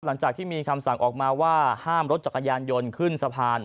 หลังจากที่มีคำสั่งออกมาว่าห้ามรถจักรยานยนต์ขึ้นสะพาน